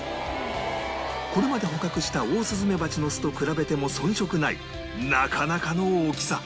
これまで捕獲したオオスズメバチの巣と比べても遜色ないなかなかの大きさ